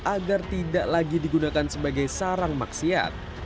agar tidak lagi digunakan sebagai sarang maksiat